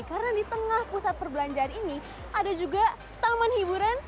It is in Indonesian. karena di tengah pusat perbelanjaan ini ada juga taman hiburan